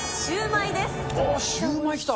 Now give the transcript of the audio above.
シューマイ、きた。